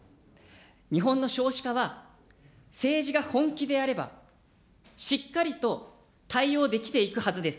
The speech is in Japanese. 日本の少子化は、政治が本気でやれば、しっかりと対応できていくはずです。